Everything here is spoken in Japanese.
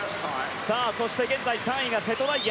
そして、現在３位が瀬戸大也。